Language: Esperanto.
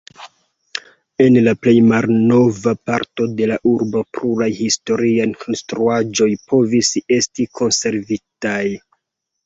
En la plej malnova parto de la urbo pluraj historiaj konstruaĵoj povis esti konservitaj.